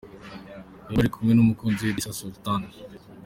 Wema ari kumwe numukunzi we Idrissa Sultan